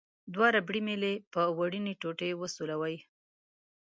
دوه ربړي میلې په وړینې ټوټې وسولوئ.